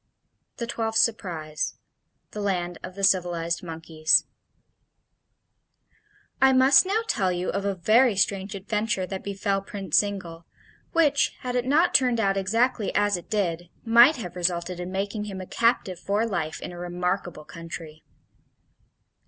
The Twelfth Surprise THE LAND OF THE CIVILIZED MONKEYS I must now tell you of a very strange adventure that befell Prince Zingle, which, had it not turned out exactly as it did, might have resulted in making him a captive for life in a remarkable country.